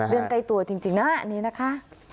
เดินไกลตัวจริงนะคะ